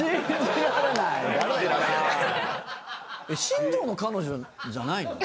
新庄の彼女じゃないの？